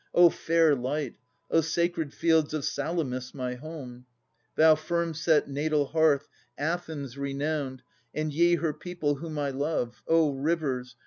O fair light! sacred fields of Salamis my home ! Thou, firm set natal hearth : Athens renowned. And ye her people whom I love ; O rivers.